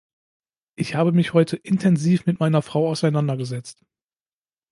Ich habe mich heute intensiv mit meiner Frau auseinandergesetzt.